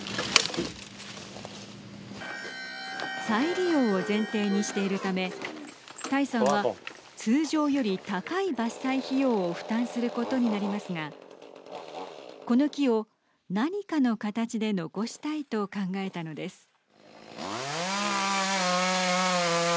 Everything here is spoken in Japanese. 再利用を前提にしているため戴さんは通常より高い伐採費用を負担することになりますがこの木を何かの形で残したいと考えたのです。